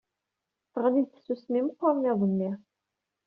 Teɣli-d tsusmi meqqren iḍ-nni.